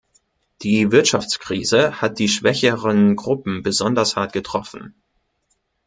Die Wirtschaftskrise hat die schwächeren Gruppen besonders hart getroffen.